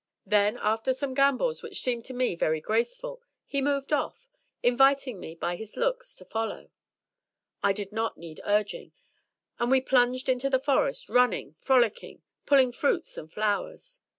Barnum. MY BOOK HOUSE Then, after some gambols, which seemed to me very graceful, he moved off, inviting me by his looks to follow. I did not need urging, and we plunged into the Forest, running, frolicking, pulling fruits and flowers.